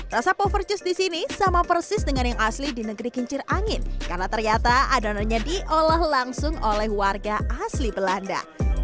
rasa povercus di sini sama persis dengan yang asli di negeri kincir angin karena ternyata adonannya diolah langsung oleh warga asli belanda